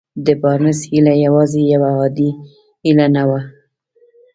د بارنس هيله يوازې يوه عادي هيله نه وه.